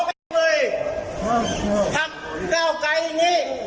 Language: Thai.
ไม่ได้คุยเลยไม่ได้คุย